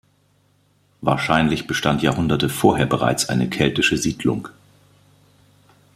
Wahrscheinlich bestand Jahrhunderte vorher bereits eine keltische Siedlung.